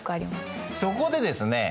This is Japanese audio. そこでですね